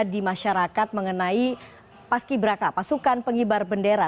di masyarakat mengenai pasuki belaka pasukan pengibar bendera